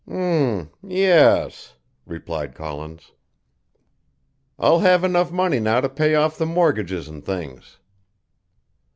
"M yes," replied Collins. "I'll have enough money now to pay off the mortgages and things."